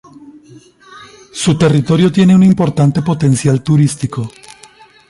Su territorio tiene un importante "potencial turístico".